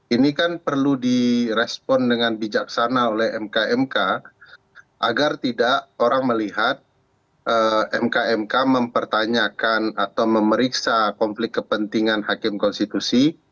ini kan perlu direspon dengan bijaksana oleh mk mk agar tidak orang melihat mk mk mempertanyakan atau memeriksa konflik kepentingan hakim konstitusi